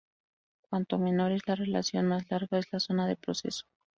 Cuanto menor es la relación, más larga es la zona de proceso.